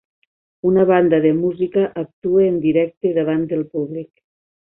Una banda de música actua en directe davant del públic.